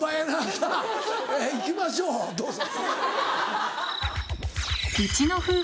さぁいきましょうどうぞ。